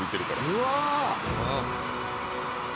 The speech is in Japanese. うわ！